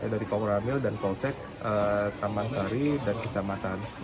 dari kongramil dan polsek taman sari dan kecamatan